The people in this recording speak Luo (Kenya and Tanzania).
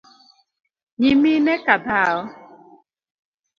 Nyimine ka dhao?